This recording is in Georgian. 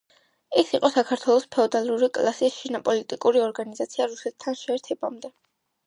ის იყო საქართველოს ფეოდალური კლასის შინაპოლიტიკური ორგანიზაცია რუსეთთან შეერთებამდე.